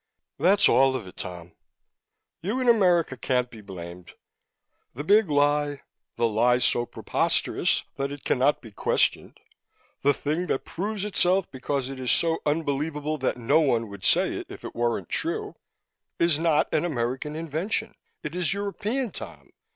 "That's all of it, Tom. You in America can't be blamed. The big lie the lie so preposterous that it cannot be questioned, the thing that proves itself because it is so unbelievable that no one would say it if it weren't true is not an American invention. It is European, Tom.